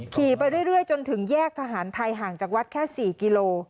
ไปเรื่อยจนถึงแยกทหารไทยห่างจากวัดแค่๔กิโล